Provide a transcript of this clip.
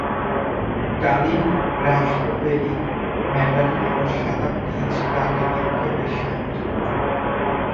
ডালিম raspberry, mandarin এবং সাদা পীচ প্রাকৃতিকভাবে স্বাদযুক্ত।